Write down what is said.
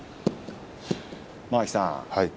間垣さん